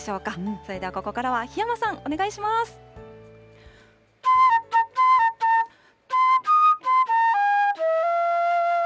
それでは、ここからは檜山さん、お願いします。